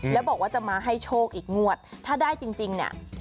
แล้วบอกว่าจะมาให้โชคอีกงวดถ้าได้จริงเนี่ย